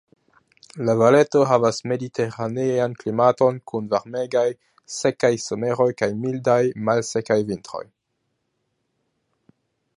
La Valeto havas mediteranean klimaton kun varmegaj, sekaj someroj kaj mildaj, malsekaj vintroj.